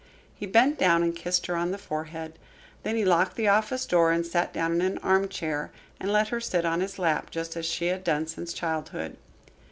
He bent down and kissed her on the forehead. Then he locked the office door, sat down in an armchair and let her sit on his lap, just as she had done since childhood.